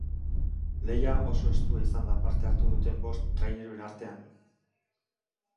Lehia oso estua izan da parte hartu duten bost traineruen artean.